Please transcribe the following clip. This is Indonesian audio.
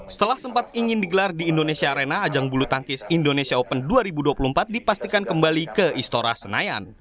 setelah sempat ingin digelar di indonesia arena ajang bulu tangkis indonesia open dua ribu dua puluh empat dipastikan kembali ke istora senayan